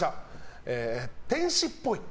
天使っぽい。